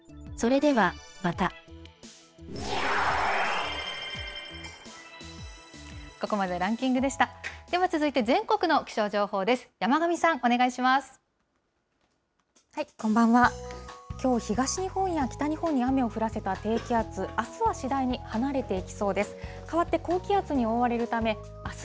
では続いて、全国の気象情報です。